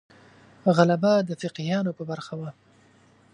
غلبه د فقیهانو په برخه وه.